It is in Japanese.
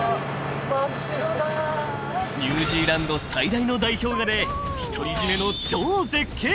ニュージーランド最大の大氷河で独り占めの超絶景